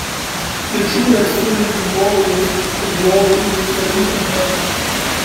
The crew had full living quarters aboard with galley and heads.